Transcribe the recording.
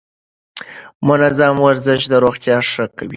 منظم ورزش روغتيا ښه کوي.